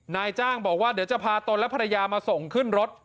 นายจ้างบอกว่าเดี๋ยวจะพาตนและภรรยามาส่งขึ้นรถ